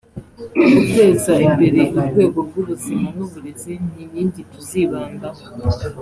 Guteza imbere urwego rw’ubuzima n’uburezi ni inkingi tuzibandaho